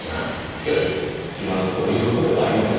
しかし今のところ違法ではありません。